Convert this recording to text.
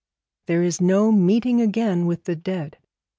There is no meeting again with the dead.